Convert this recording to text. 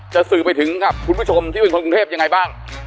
สื่อไปถึงกับคุณผู้ชมที่เป็นคนกรุงเทพยังไงบ้าง